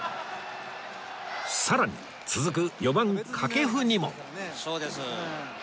さらに続く４番掛布にも